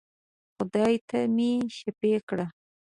خدای ته مي شفېع کړل.